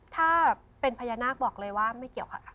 ถ้าเป็นพญานาคบอกเลยว่าไม่เกี่ยวค่ะ